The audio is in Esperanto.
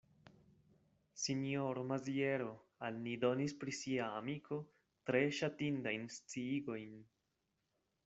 Sinjoro Maziero al ni donis pri sia amiko tre ŝatindajn sciigojn.